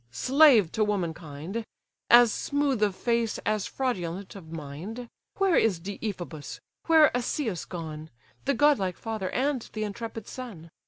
slave to womankind, As smooth of face as fraudulent of mind! Where is Deiphobus, where Asius gone? The godlike father, and th' intrepid son?